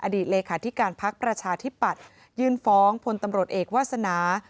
เลขาธิการพักประชาธิปัตยื่นฟ้องพลตำรวจเอกวาสนา